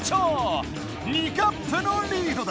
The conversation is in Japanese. ２カップのリードだ。